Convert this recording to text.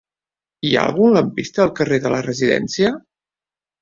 Hi ha algun lampista al carrer de la Residència?